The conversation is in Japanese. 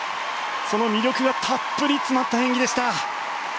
その魅力がたっぷり詰まった演技でした。